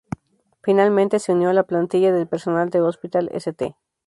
Finalmente se unió a la plantilla de personal del hospital St.